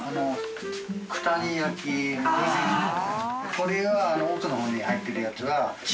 これは奥の方に入ってるやつは羚颪侶